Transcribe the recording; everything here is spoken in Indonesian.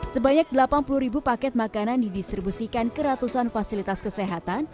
sebanyak delapan puluh ribu paket makanan didistribusikan ke ratusan fasilitas kesehatan